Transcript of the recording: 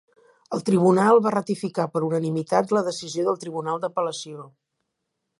El Tribunal va ratificar per unanimitat la decisió del Tribunal d'Apel·lació.